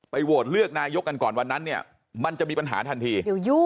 โหวตเลือกนายกกันก่อนวันนั้นเนี่ยมันจะมีปัญหาทันที